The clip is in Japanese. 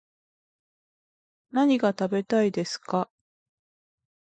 何が食べたいですか